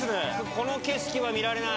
この景色は見られない。